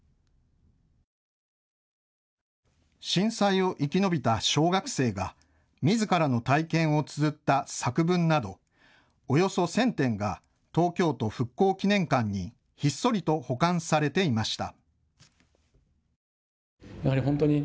震災を生き延びた小学生がみずからの体験をつづった作文などおよそ１０００点が東京都復興記念館にひっそりと保管されていました。